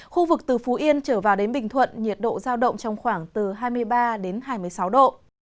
khu vực từ phú yên trở vào đến bình thuận nhiệt độ giao động trong khoảng từ hai mươi ba đến hai mươi sáu độ